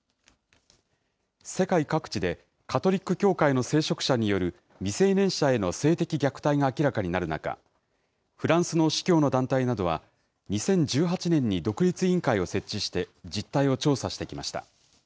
世界各地でカトリック教会の聖職者による未成年者への性的虐待が明らかになる中、フランスの司教の団体などは、２０１８年に独立委員会を設置して実態を調査してきました。